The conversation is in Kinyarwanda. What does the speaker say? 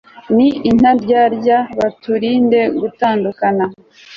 n'intaryarya, baturinde gutandukana